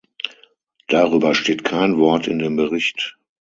Darüber steht kein Wort in dem Bericht.